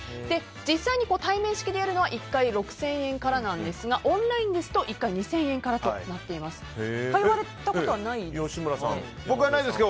実際に対面式でやるのは１回６０００円からなんですがオンラインですと１回２０００円からと通われたことないですか？